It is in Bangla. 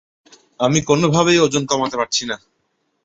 আমি কোনোভাবেই ওজন কমাতে পারছি না।